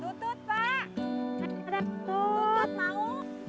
tutut pak tutut mau